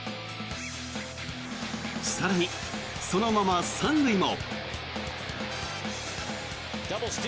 更に、そのまま３塁も。